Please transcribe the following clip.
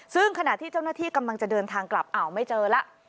ซึ่งขณะที่เจ้าหน้าที่กำลังจะเดินทางกลับอ้าวไม่เจอแล้ว